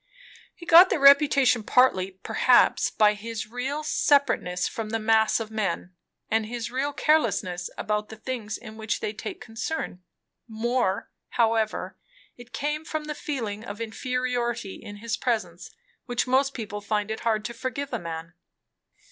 He got the reputation partly, perhaps, by his real separateness from the mass of men, and his real carelessness about the things in which they take concern; more, however, it came from the feeling of inferiority in his presence, which most people find it hard to forgive a man.